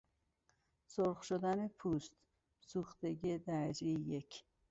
سرخ شدن پوست، سوختگی درجه یک